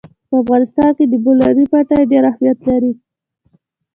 په افغانستان کې د بولان پټي ډېر اهمیت لري.